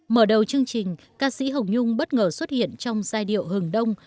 mở đầu chương trình ca sĩ hồng nhung bất ngờ xuất hiện trong giai điệu hừng đông